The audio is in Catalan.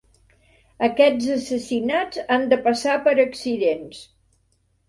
Aquests assassinats han de passar per accidents.